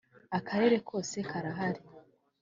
akarere kose karahari.